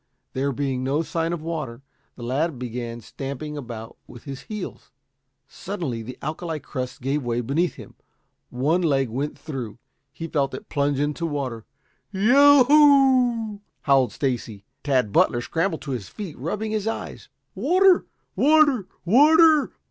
There being no sign of water, the lad began stamping about with his heels. Suddenly the alkali crust gave way beneath him. One leg went through. He felt it plunge into water. "Y e o w!" howled Stacy. Tad Butler scrambled to his feet, rubbing his eyes. "Water! Water! Water!